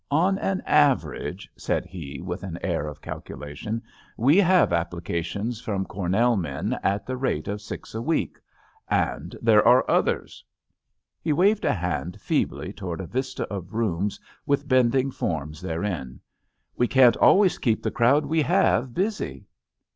'*On an average," said he with an air of calculation, we have applications from Cor nell men at the rate of six a week. And there are others !" He waved a hand feebly toward a vista of rooms with bending forms therein. We can't always keep the xrowd we have busy."